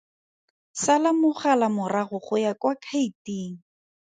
Sala mogala morago go ya kwa khaeteng.